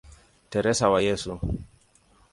Teresa wa Yesu".